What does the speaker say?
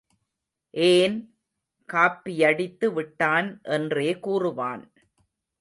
ஏன், காப்பியடித்து விட்டான் என்றே கூறுவான்.